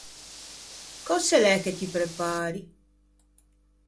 Cöse l’é che ti prepari?